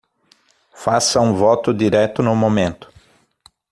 Faça um voto direto no momento